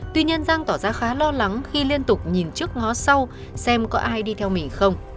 tuy nhiên giang tỏ ra khá lo lắng khi liên tục nhìn trước ngó sau xem có ai đi theo mình không